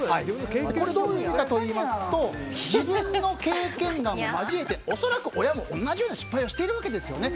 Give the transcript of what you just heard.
どういう意味かと言いますと自分の経験談を交えて恐らく親も同じような失敗をしているわけですよね。